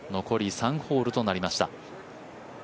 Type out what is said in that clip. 残り３ホールとなりました。